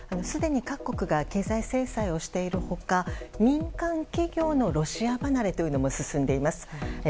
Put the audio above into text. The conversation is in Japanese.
すでに各国が経済制裁をしている他民間企業のロシア離れも進んでいます。